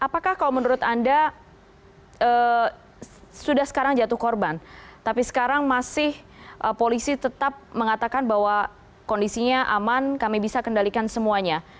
apakah kalau menurut anda sudah sekarang jatuh korban tapi sekarang masih polisi tetap mengatakan bahwa kondisinya aman kami bisa kendalikan semuanya